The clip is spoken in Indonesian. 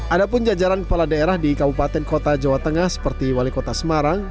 ada pun jajaran kepala daerah di kabupaten kota jawa tengah seperti wali kota semarang